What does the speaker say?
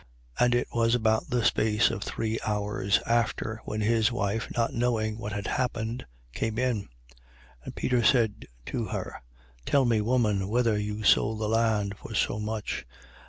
5:7. And it was about the space of three hours after, when his wife, not knowing what had happened, came in. 5:8. And Peter said to her: Tell me, woman, whether you sold the land for so much?